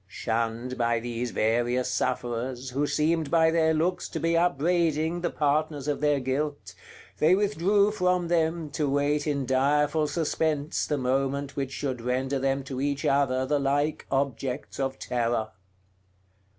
Shunned by these various sufferers, who seemed by their looks to be upbraiding the partners of their guilt, they withdrew from them, to wait in direful suspense the moment which should render them to each other the like objects of terror.